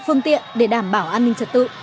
phương tiện để đảm bảo an ninh trật tự